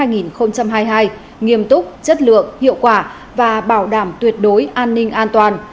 nghiêm túc chất lượng hiệu quả và bảo đảm tuyệt đối an ninh an toàn